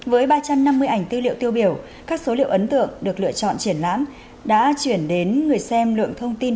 với ba trăm năm mươi ảnh tư liệu tiêu biểu các số liệu ấn tượng được lựa chọn triển lãm đã chuyển đến người xem lượng thông tin